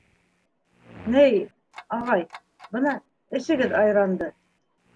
— Ни, ағай, бына әсегеҙ айранды...